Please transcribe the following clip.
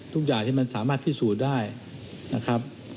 มีสัญลักษณ์ที่มันสามารถพิสูจน์ได้นะครับ